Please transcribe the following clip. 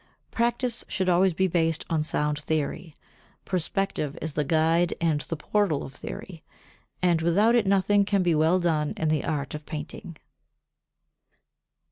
Practice should always be based on sound theory; perspective is the guide and the portal of theory, and without it nothing can be well done in the art of painting.